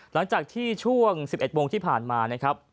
หลังจากที่ช่วง๑๑โมงที่ผ่านมานะครับ